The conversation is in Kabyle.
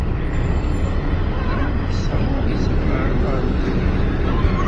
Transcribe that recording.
Nella nessawaḍ isafaren ɣer wegrir.